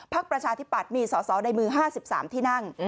ประชาธิปัตย์มีสอสอในมือ๕๓ที่นั่ง